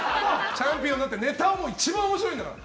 チャンピオンになってネタも一番面白いんだから。